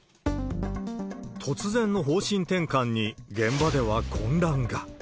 突然の方針転換に、現場では混乱が。